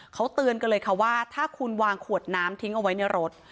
เขาเตือนกันเลยค่ะว่าถ้าคุณวางขวดน้ำทิ้งเอาไว้ในรถ